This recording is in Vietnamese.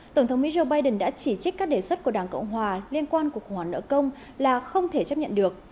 tổng thống mỹ joe biden đã chỉ trích các đề xuất của đảng cộng hòa liên quan cuộc khủng hoảng nợ công là không thể chấp nhận được